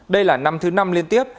đây là năm thứ năm liên tiếp